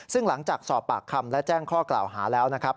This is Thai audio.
ซึ่งหลังจากสอบปากคำและแจ้งข้อกล่าวหาแล้วนะครับ